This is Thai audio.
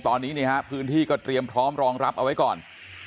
ตอนนี้พื้นที่ก็เตรียมพร้อมรองรับเอาไว้ก่อน